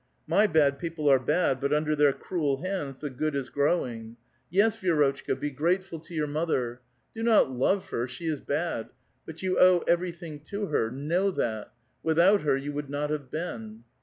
My bad people are bad, but under their cruel hands the good is growing. Y^es, Vi6 A VITAL QUESTION. 171 rotchka, be grateful to your mother. Do uot love her ; she is bud ; but you owe everything to her, kuow that ; without lier, you would uot have beeu